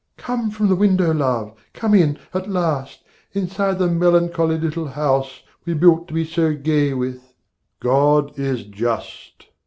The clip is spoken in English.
Come from the window, love, come in, at last, Inside the melancholy little house We built to be so gay with. God is just.